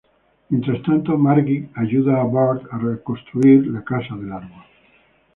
Mientras tanto, Marge ayuda a Bart a reconstruir la casa del árbol.